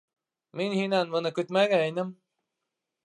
Мин һинән быны көтмәгәйнем.